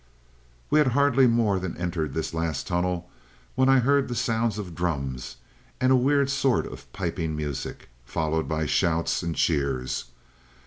"We had hardly more than entered this last tunnel when I heard the sound of drums and a weird sort of piping music, followed by shouts and cheers.